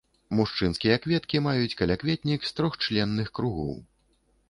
Мужчынскія кветкі маюць каля-кветнік з трохчленных кругоў.